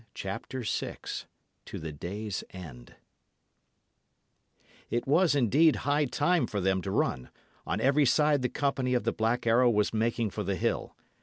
CHAPTER VI TO THE DAY'S END It was, indeed, high time for them to run. On every side the company of the Black Arrow was making for the hill.